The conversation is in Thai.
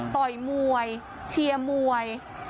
ต่อยมวยเชียร์มวย